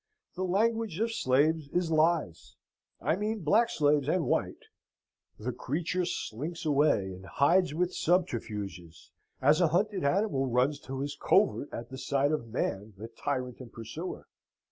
The language of slaves is lies (I mean black slaves and white). The creature slinks away and hides with subterfuges, as a hunted animal runs to his covert at the sight of man, the tyrant and pursuer.